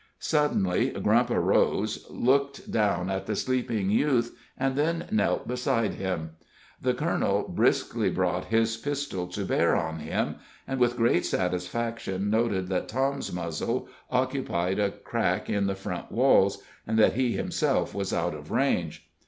Suddenly Grump arose, looked down at the sleeping youth, and then knelt beside him. The colonel briskly brought his pistol to bear on him, and with great satisfaction noted that Tom's muzzle occupied a crack in the front walls, and that he himself was out of range.